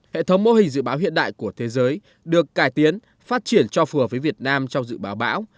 hệ thống mô hình dự báo hiện đại của thế giới được cải tiến phát triển cho phù hợp với việt nam trong dự báo bão